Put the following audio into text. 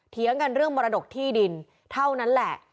เถียงกันเรื่องมรดกที่ดินเท่านั้นแหละ